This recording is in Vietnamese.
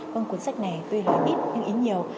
vâng cuốn sách này tuy là ít nhưng ý nhiều